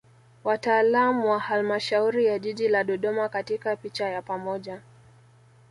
Wataalam wa Halmashauri ya Jiji la Dodoma katika picha ya pamoja